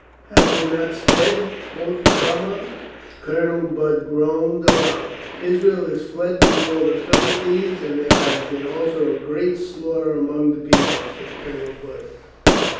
Have you not sped?" quoth Cromwell. Colonel Budd groaned aloud. "Israel is fled be fore the Philistines and there hath been also a great slaughter among the people," said Colonel Budd.